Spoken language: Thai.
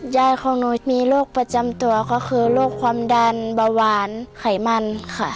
ยายของหนูมีโรคประจำตัวก็คือโรคความดันเบาหวานไขมันค่ะ